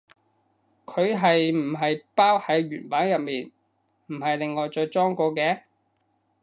佢係唔係包喺原版入面，唔係另外再裝過嘅？